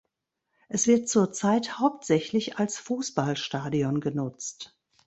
Es wird zurzeit hauptsächlich als Fußballstadion genutzt.